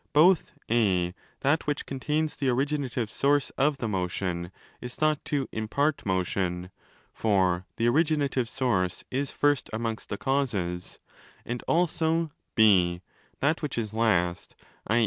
Both (4) that which contains the origina tive source of the motion is thought to 'impart motion' (for the originative source is first amongst the causes), and also (ὁ) that which is last, i.